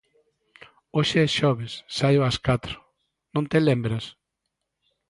_Hoxe é xoves, saio ás catro, ¿non te lembras?